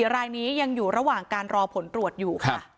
รายนี้ยังอยู่ระหว่างการรอผลตรวจอยู่ค่ะ